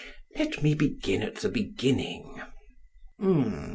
Let me begin at the beginning.